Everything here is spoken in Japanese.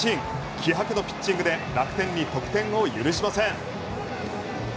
気迫のピッチングで楽天に得点を許しません。